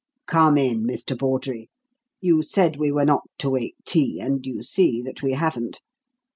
"Come in, Mr. Bawdrey. You said we were not to wait tea, and you see that we haven't.